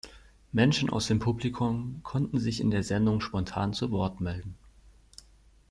Menschen aus dem Publikum konnten sich in der Sendung spontan zu Wort melden.